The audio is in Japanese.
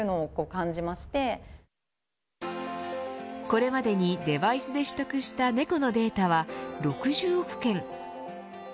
これまでにデバイスで取得したネコのデータは６０億件。